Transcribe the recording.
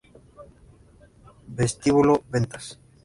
Vestíbulo Ventas